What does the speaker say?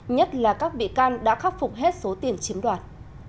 nhất là các bị can đã khắc phục hết số tiền chiếm đoạt